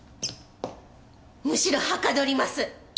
むしろはかどります。